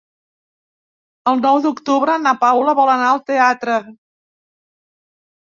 El nou d'octubre na Paula vol anar al teatre.